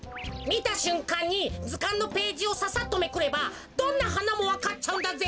みたしゅんかんにずかんのページをささっとめくればどんなはなもわかっちゃうんだぜ！